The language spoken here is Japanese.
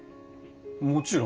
もちろん。